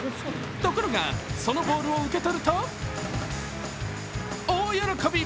ところがそのボールを受け取ると大喜び。